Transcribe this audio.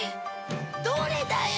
どれだよ。